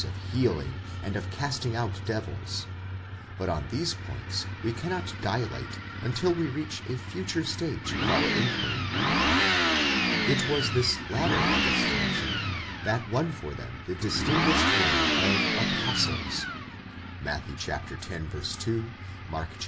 325 of healing and of casting out devils; but on these points we cannot dilate until we reach a future stage of our inquiry.) It was this latter destination that won for them the distinguished name of apostles, ἀπόστολοι (Matt. x. 2; Mark vi.